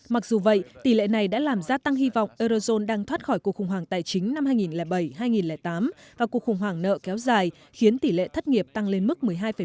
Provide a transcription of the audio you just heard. mặc dù vậy tỷ lệ này đã làm gia tăng hy vọng eurozone đang thoát khỏi cuộc khủng hoảng tài chính năm hai nghìn bảy hai nghìn tám và cuộc khủng hoảng nợ kéo dài khiến tỷ lệ thất nghiệp tăng lên mức một mươi hai năm